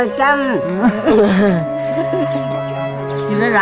ก็ยังดีว่ามีคนมาดูแลน้องเติร์ดให้